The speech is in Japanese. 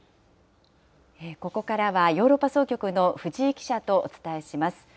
ここからは、ヨーロッパ総局の藤井記者とお伝えします。